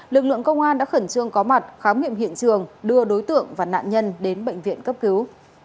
lực lượng công an đã khẩn trương có mặt khám nghiệm hiện trường đưa đối tượng và nạn nhân đến bệnh viện cấp cứu